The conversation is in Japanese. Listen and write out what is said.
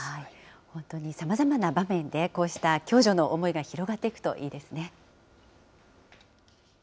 本当にさまざまな場面で、こうした共助の思いが広がっていくといいですね。